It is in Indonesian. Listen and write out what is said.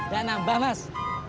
dah nambah mas